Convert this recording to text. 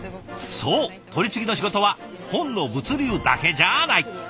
そう取り次ぎの仕事は本の物流だけじゃない！